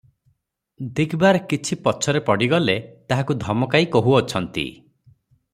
ଦିଗବାର କିଛି ପଛରେ ପଡ଼ିଗଲେ ତାହାକୁ ଧମକାଇ କହୁ ଅଛନ୍ତି